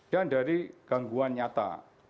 dan dari gangguan nyata